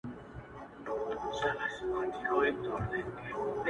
په موسم د پسرلي کي د سرو ګلو-